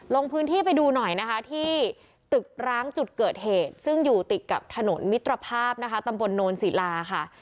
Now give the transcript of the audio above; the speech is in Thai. ลงพื้นที่ไปดูหน่อยนะคะที่ตึกร้างจุดเกิดเหตุซึ่งอยู่ติดกับถนนมิตรภาพนะคะตำบลโนนศิลาค่ะ